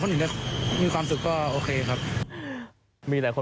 มันมีร่องรอยของเนื้ออยู่ด้วย